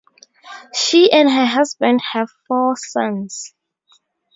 She and her husband have four sons.